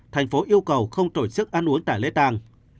thành phố yêu cầu không tổ chức ăn uống tại lễ tàng